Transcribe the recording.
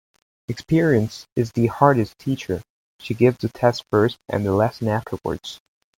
Experience is the hardest teacher. She gives the test first and the lesson afterwards.